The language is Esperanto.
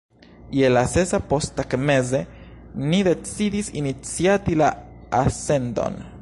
Je la sesa posttagmeze ni decidis iniciati la ascendon.